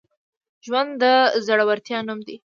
ژوند د زړورتیا نوم دی.